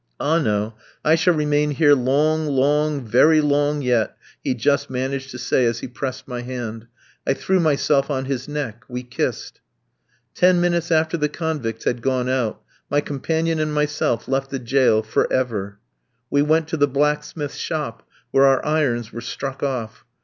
"Ah, no! I shall remain here long, long, very long yet," he just managed to say, as he pressed my hand. I threw myself on his neck; we kissed. Ten minutes after the convicts had gone out, my companion and myself left the jail for ever. We went to the blacksmith's shop, where our irons were struck off.